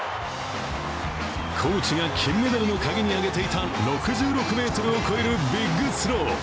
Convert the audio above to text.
コーチが金メダルのカギに挙げていた６６ｍを超えるビッグスロー。